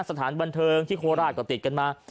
สถานบันเทิงที่โคราชก็ติดกันมา